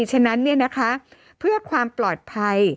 ฉะนั้นเนี่ยนะคะเพื่อความปลอดภัย